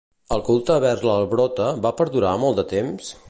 El culte vers l'Abrota va perdurar molt de temps?